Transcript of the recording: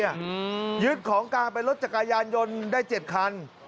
ยึดของกลางเป็นรถจักรยานยนต์ได้๗คัน